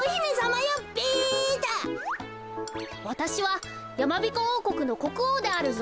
わたしはやまびこおうこくのこくおうであるぞ。